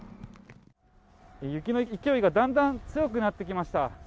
雪の勢いがだんだん強くなってきました。